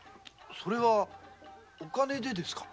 それはお金でですか？